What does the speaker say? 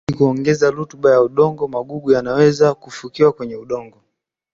ili kuongeza rutuba ya udongo magugu yanaweza fukiwa kwenye udongo